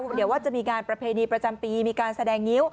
เดี๋ยวว่าจะมีการประเพณีประจำปีมีการแสดงงิ้ว